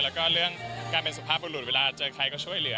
แล้วก็เรื่องการเป็นสุภาพบุรุษเวลาเจอใครก็ช่วยเหลือ